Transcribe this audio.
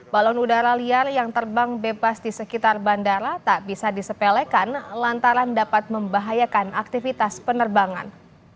balon udara liar yang terbang bebas di sekitar bandara tak bisa disepelekan lantaran dapat membahayakan aktivitas penerbangan